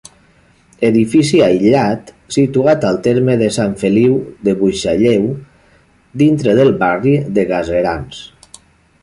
Edifici aïllat, situat al terme de Sant Feliu de Buixalleu, dintre del barri de Gaserans.